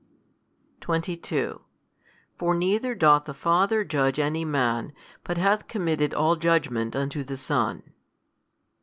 22 For neither doth the Father judge any man, but hath committed all judgment unto the Son.